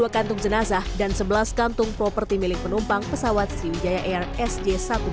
dua kantung jenazah dan sebelas kantung properti milik penumpang pesawat sriwijaya air sj satu ratus dua puluh